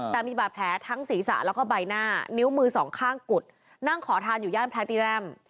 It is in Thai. แต่มีบาดแผลทั้งศีรษะแล้วก็ใบหน้านิ้วมือสองข้างกุดนั่งขอทานอยู่ย่านแพรติแรม